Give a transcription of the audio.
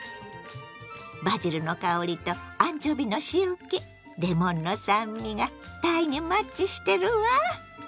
バジルの香りとアンチョビの塩けレモンの酸味がたいにマッチしてるわ。